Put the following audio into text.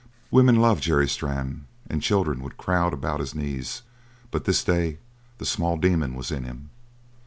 Women loved Jerry Strann, and children would crowd about his knees, but this day the small demon was in him.